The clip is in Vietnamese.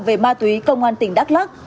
về ma túy công an tỉnh đắk lắk